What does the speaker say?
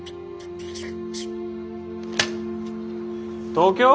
東京？